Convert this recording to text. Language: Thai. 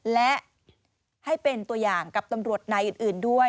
และให้เป็นตัวอย่างกับตำรวจนายอื่นด้วย